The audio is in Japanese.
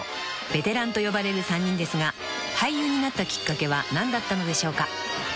［「ベテラン」と呼ばれる３人ですが俳優になったきっかけは何だったのでしょうか？］